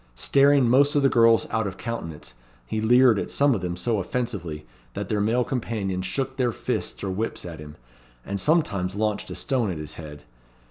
Staring most of the girls out of countenance, he leered at some of them so offensively, that their male companions shook their fists or whips at him, and sometimes launched a stone at his head.